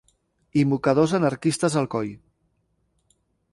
I mocadors anarquistes al coll